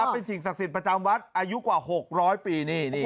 เป็นสิ่งศักดิ์สิทธิ์ประจำวัดอายุกว่า๖๐๐ปี